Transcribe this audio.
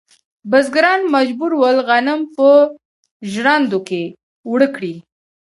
بزګران مجبور ول غنم په ژرندو کې اوړه کړي.